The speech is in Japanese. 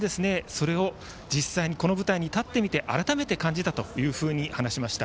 それを実際に、この舞台に立ってみて改めた感じましたと話しました。